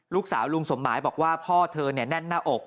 ลุงสมหมายบอกว่าพ่อเธอแน่นหน้าอก